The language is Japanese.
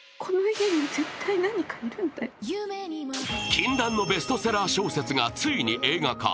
禁断のベストセラー小説がついに映画化。